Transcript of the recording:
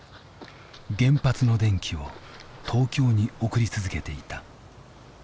原発の電気を東京に送り続けていた。